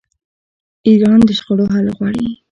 ایران د شخړو حل غواړي.